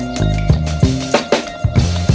nggak ada yang denger